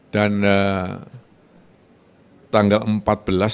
yang saya bawa staff staff saja untuk pergi ke malang dan kembali lagi